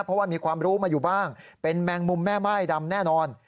เพราะว่ามีความรู้มาอยู่บ้างเป็นแมงมุมแม่ม่ายดำแน่นอน